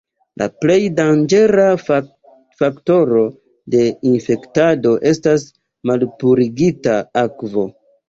La plej danĝera faktoro de infektado estas malpurigita akvo.